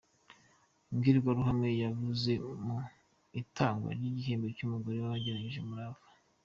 Imbwirwaruhame yavuze mu itangwa ry’igihembo cy’umugore wagaragaje umurava.